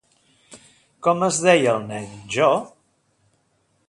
Com es deia el nen, Jo?